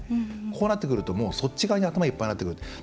こうなるとそっち側に頭がいっぱいになってくる。